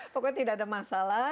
pokoknya tidak ada masalah